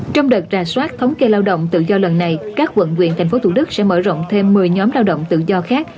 trong đợt ra soát thống kê lao động tự do lần này các quận quyện tp thủ đức sẽ mở rộng thêm một mươi nhóm lao động tự do khác